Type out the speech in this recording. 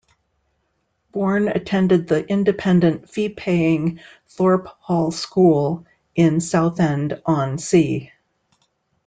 Bourne attended the independent fee-paying Thorpe Hall School in Southend-On-Sea.